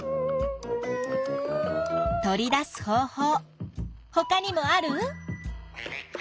取り出す方法ほかにもある？